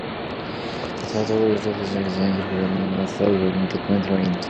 The title was officially changed to "Prime Minister" during the communist regime.